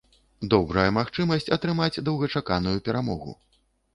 Добрая магчымасць атрымаць доўгачаканую перамогу.